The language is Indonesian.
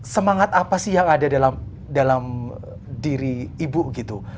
semangat apa sih yang ada dalam diri ibu gitu